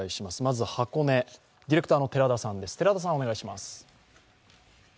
まず箱根、ディレクターの寺田さんです。